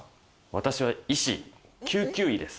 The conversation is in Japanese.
私は医師、救急医です。